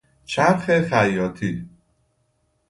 چرخ خیاطی